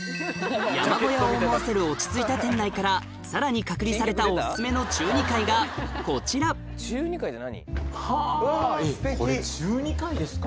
山小屋を思わせる落ち着いた店内からさらに隔離されたお薦めの中二階がこちらこれ中二階ですか？